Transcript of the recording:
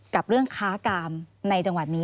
กับเรื่องค้ากามในจังหวัดนี้